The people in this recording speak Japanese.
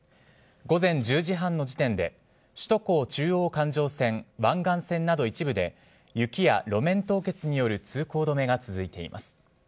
午前１０時半の時点で首都高中央環状線湾岸線など一部で雪や路面凍結による通行止めが続いています。